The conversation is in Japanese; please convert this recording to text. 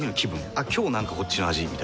「あっ今日なんかこっちの味」みたいな。